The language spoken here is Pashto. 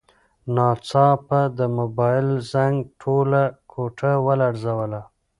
ناڅاپه د موبایل زنګ ټوله کوټه ولړزوله.